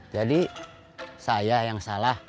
jadi saya yang salah